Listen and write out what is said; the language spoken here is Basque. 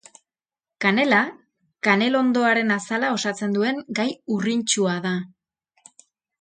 Kanela kanelondoaren azala osatzen duen gai urrintsua da